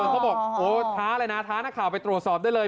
เขาบอกโอ้ท้าเลยนะท้านักข่าวไปตรวจสอบได้เลย